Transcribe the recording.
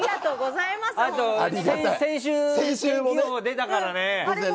あと、先週も出たからね。